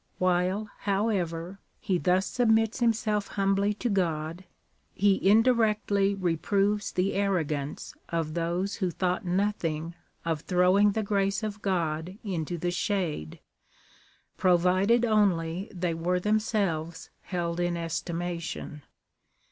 While, however, he thus submits himself humbly to God, he indirectly reproves the arrogance of those who thought no thing of throwing the grace of God into the shade,^ provided only they were themselves held in estimation.